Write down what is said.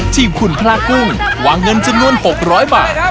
ทีมคุณพระกุ้งวางเงินจำนวน๖๐๐บาท